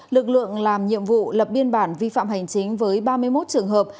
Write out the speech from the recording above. lực lượng làm nhiệm vụ lập biên bản vi phạm hành chính với ba mươi một trường hợp